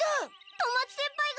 富松先輩が！